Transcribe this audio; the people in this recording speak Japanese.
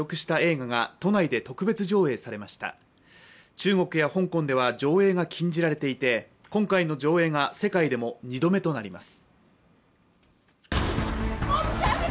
中国や香港では上映が禁じられていて、今回の上映が世界でも２度目となります。